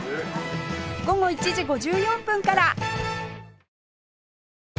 午後１時５４分から！